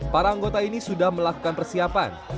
para anggota ini sudah melakukan persiapan